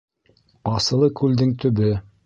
Асылыкүлдең төбө